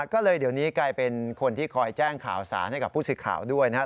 ก็เลยเดี๋ยวนี้กลายเป็นคนที่คอยแจ้งข่าวสารให้กับผู้สื่อข่าวด้วยนะครับ